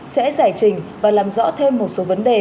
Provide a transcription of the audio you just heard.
sẽ giải trình và làm rõ thêm một số vấn đề